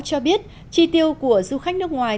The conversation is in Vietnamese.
cho biết chi tiêu của du khách nước ngoài